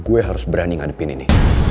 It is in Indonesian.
gue harus berani ngadepin ini